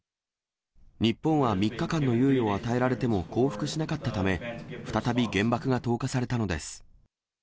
日本は３日間の猶予を与えられても降伏しなかったため、再び原爆が投下されたのです。